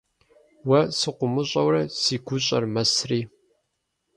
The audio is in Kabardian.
Уэ сыкъыумыщӀэурэ си гущӀэр мэсри.